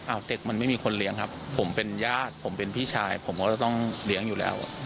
เด็กมันไม่มีคนเลี้ยงครับผมเป็นญาติผมเป็นพี่ชายผมก็จะต้องเลี้ยงอยู่แล้ว